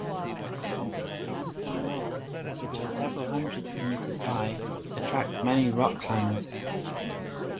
The limestone walls, which are several hundreds of metres high, attract many rock climbers.